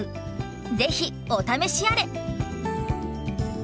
ぜひお試しあれ！